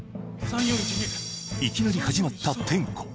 いきなり始まった点呼